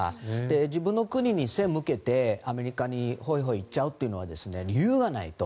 自分の国に背を向けてアメリカにホイホイ行っちゃうというのは理由がないと。